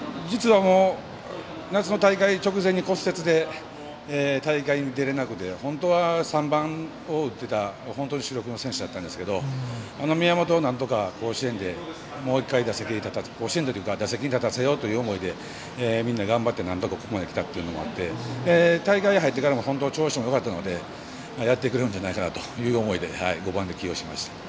実は夏の大会直前に骨折で大会に出られなくて本当は３番を打っていた本当に主力の選手だったんですが宮本、なんとか甲子園で打席に立たせようという思いでみんな頑張ってここまできたということもあって大会に入ってからも本当に調子もよかったのでやってくれるんじゃないかという思いで５番で起用しました。